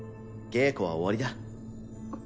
稽古は終わりだ。